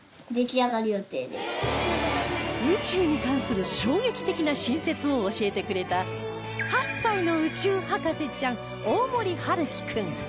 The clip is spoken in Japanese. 宇宙に関する衝撃的な新説を教えてくれた８歳の宇宙博士ちゃん大森陽生君